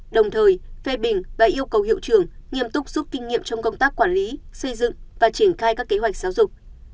đồng thời phê bình và yêu cầu hiệu trường nghiêm túc rút kinh nghiệm trong công tác quản lý xây dựng và triển khai các kế hoạch giáo dục